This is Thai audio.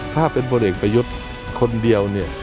ถ้าเป็นผู้หญิงประยุทธ์คนเดียว